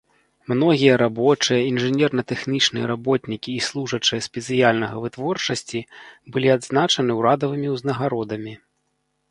Многія рабочыя, інжынерна-тэхнічныя работнікі і служачыя спецыяльнага вытворчасці былі адзначаны ўрадавымі ўзнагародамі.